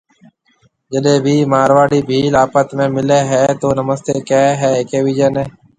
جڏيَ ڀِي مارواڙِي ڀيل آپت ۾ ملي هيَ تو نمستيَ ڪهيَ هيَ هيَڪ ٻِيجيَ۔